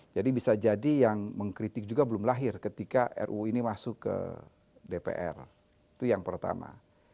jadi bisa jadi yang mengkritik juga belum lahir ketika ruu ini masuk ke dpr itu yang pertama